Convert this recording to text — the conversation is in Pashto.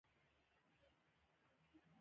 نو د ورځني کار مزد به هم ورسره سم راکم شي